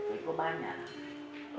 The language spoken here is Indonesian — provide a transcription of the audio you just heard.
duit gue banyak